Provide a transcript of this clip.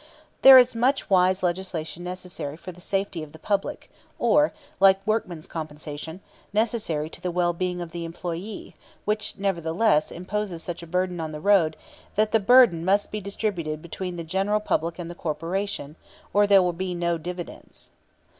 There is much wise legislation necessary for the safety of the public, or like workmen's compensation necessary to the well being of the employee, which nevertheless imposes such a burden on the road that the burden must be distributed between the general public and the corporation, or there will be no dividends.